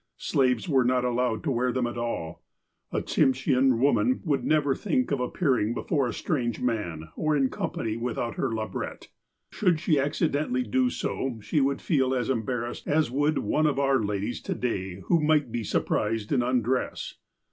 Slaves were not allowed to wear them at all. A Tsimshean woman would never think of appearing before a strange man, or in com pany, without her labrette. Should she accidentally do so, she would feel as embarrassed as would one of our ladies to day who might be surprised in undress.